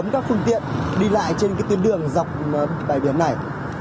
cũng tiện đi lại trên cái tuyến đường dọc bãi biển này